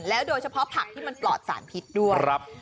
โดยเฉพาะผักที่มันปลอดสารพิษด้วย